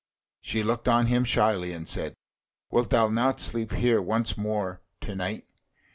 She looked on him shyly and said: "Wilt thou not sleep here once more to night?"